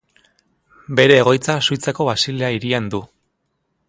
Bere egoitza Suitzako Basilea hirian du.